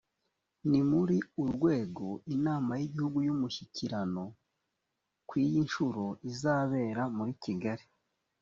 ni muri uru rwego inama y’igihugu y’umushyikirano ku iyi nshuro izabera muri kigali